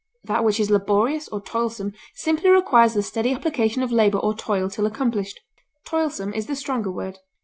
That which is laborious or toilsome simply requires the steady application of labor or toil till accomplished; toilsome is the stronger word.